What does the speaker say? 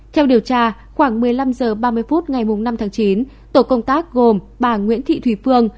theo điều tra khoảng một mươi năm h ba mươi phút ngày năm tháng chín tổ công tác gồm bà nguyễn thị thùy phương